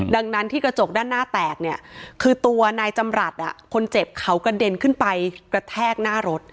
ดังนั้นที่กระจกด้านหน้าแตกเนี่ยคือตัวนายจำรัฐคนเจ็บเขากระเด็นขึ้นไปกระแทกหน้ารถ